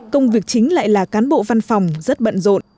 công việc chính lại là cán bộ văn phòng rất bận rộn